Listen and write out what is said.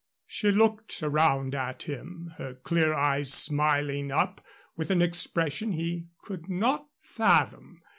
She looked around at him, her clear eyes smiling up with an expression he could not fathom.